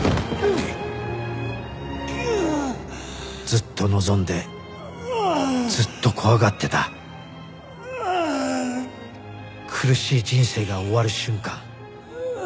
ずっと望んでずっと怖がってた苦しい人生が終わる瞬間。